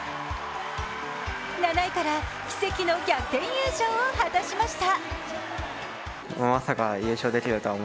７位から奇跡の逆転優勝を果たしました。